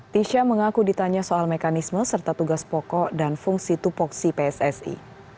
tisha mengaku ditanya soal mekanisme serta tugas pokok dan fungsi tupoksi pssi